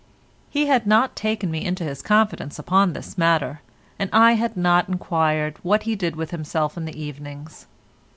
He had not taken me into his confidence upon this matter, and I had not enquired what he did with himself in the evenings.